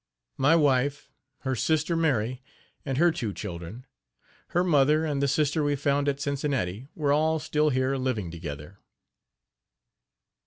My wife, her sister Mary and her two children, her mother and the sister we found at Cincinnati were all still here living together.